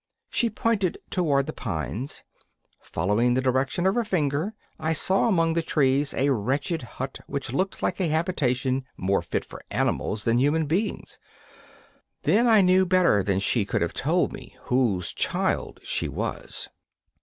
She pointed toward the pines. Following the direction of her finger, I saw among the trees a wretched hut which looked like a habitation more fit for animals than human beings. Then I knew better than she could have told me whose child she was.